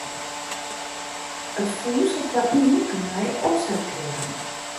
It fûns hat koartlyn in nije opset krigen.